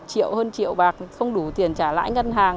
năm triệu hơn triệu bạc không đủ tiền trả lãi ngân hàng